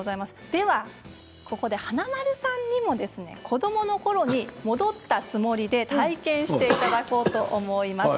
華丸さんにも子どものころに戻ったつもりで体験していただこうと思います。